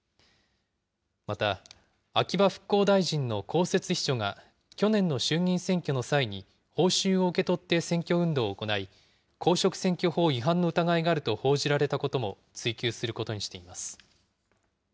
また、秋葉復興大臣の公設秘書が、去年の衆議院選挙の際に報酬を受け取って選挙運動を行い、公職選挙法違反の疑いがあると報じられたことも追及することにしています。